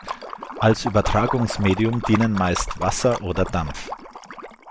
Als Übertragungsmedium dienen meist Wasser oder Dampf.